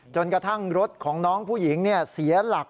จนกระทั่งรถของน้องผู้หญิงเสียหลัก